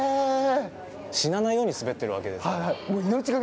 死なないように滑っているわけですから。